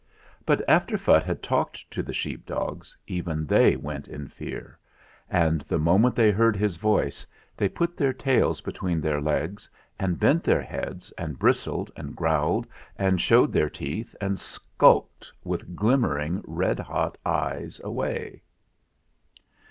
But after Phutt had talked to the sheep dogs even they went in fear, and the moment they heard his voice they put their tails between their legs and bent their heads and bristled and growled and showed their teeth and skulked with glimmering red hot eyes away.